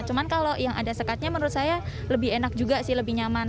cuma kalau yang ada sekatnya menurut saya lebih enak juga sih lebih nyaman